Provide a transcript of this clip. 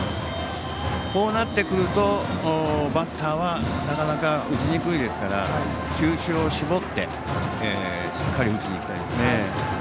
こうなってくるとバッターはなかなか打ちにくいですから球種を絞ってしっかり打ちに行きたいですね。